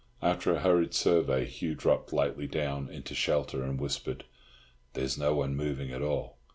After a hurried survey Hugh dropped lightly down into shelter, and whispered, "There's no one moving at all.